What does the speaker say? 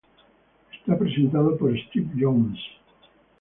Era presentado por Steve Jones.